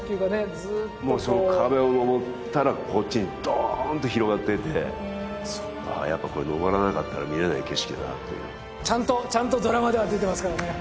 ずっとこうもうその壁を登ったらこっちにドーンと広がっててへえやっぱこれ登らなかったら見れない景色だなっていうちゃんとちゃんとドラマでは出てますからね